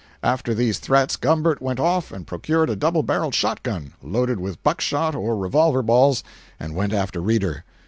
After these threats Gumbert went off and procured a double barreled shot gun, loaded with buck shot or revolver balls, and went after Reeder.